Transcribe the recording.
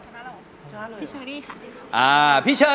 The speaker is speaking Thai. ชนะเราชนะเราพี่เชอรี่ค่ะ